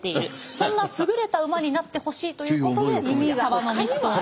そんな優れた馬になってほしいということでサバノミッソーニ。